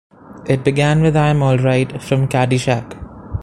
It began with "I'm Alright" from "Caddyshack".